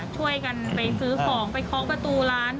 ช่วยกันไปซื้อของไปเคาะประตูร้าน